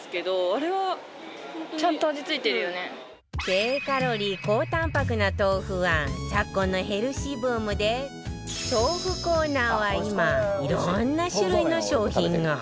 低カロリー高タンパクな豆腐は昨今のヘルシーブームで豆腐コーナーは今いろんな種類の商品が